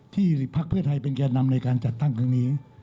ที่พักเพื่อไทยเป็นแก่นำในการจัดตั้งตรงนี้